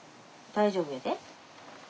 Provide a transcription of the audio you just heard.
大丈夫やで。